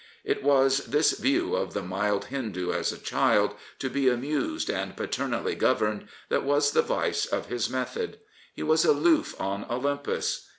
It was this view of the mild Hindoo as a child, to be amused and paternally governed, that was the vice of his method. He was aloof on Olympus.